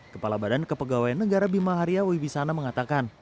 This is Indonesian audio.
kepala badan kepegawaian negara bima haria wibisana mengatakan